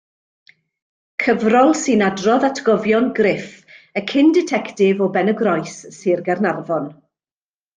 Cyfrol sy'n adrodd atgofion Griff, y cyn ditectif o Benygroes, Sir Gaernarfon.